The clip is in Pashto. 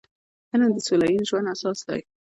علم د سوله ییز ژوند اساس دی.